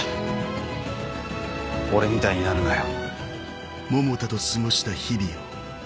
俺みたいになるなよ